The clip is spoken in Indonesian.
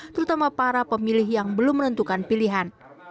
terutama para pemilih yang belum menentukan pilihan